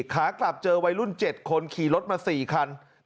ขากลับเจอวัยรุ่น๗คนขี่รถมา๔คัน